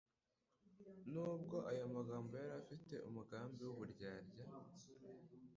Nubwo ayo magambo yari afite umugambi w'uburyarya,